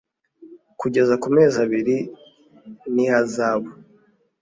kugeza ku mezi abiri n ihazabu